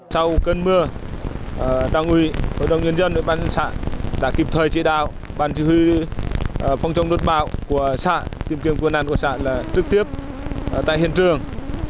sau cơn mưa đảng ủy hội đồng nhân dân bán xã đã kịp thời chỉ đạo bán chí huy phong trọng đốt bão của xã tìm kiếm quân ăn của xã là trực tiếp tại hiện trường